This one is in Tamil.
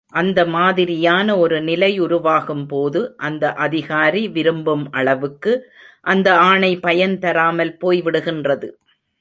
அந்த மாதிரியான ஒரு நிலை உருவாகும் போது, அந்த அதிகாரி விரும்பும் அளவுக்கு அந்த ஆணை பயன்தராமல் போய்விடுகின்றது.